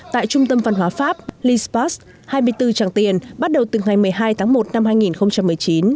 tại trung tâm văn hóa pháp lisbus hai mươi bốn tràng tiền bắt đầu từ ngày một mươi hai tháng một năm hai nghìn một mươi chín